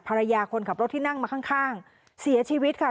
ภรรยาคนขับรถที่นั่งมาข้างข้างเสียชีวิตค่ะ